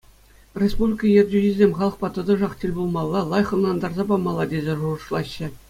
Республика ертӳҫисем халӑхпа тӑтӑшах тӗл пулмалла, лайӑх ӑнлантарса памалла тесе шухӑшлаҫҫӗ.